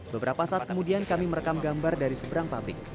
beberapa saat kemudian kami merekam gambar dari seberang pabrik